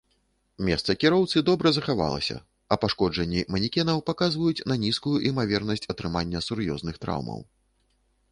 Месца кіроўцы добра захавалася, а пашкоджанні манекенаў паказваюць на нізкую імавернасць атрымання сур'ёзных траўмаў.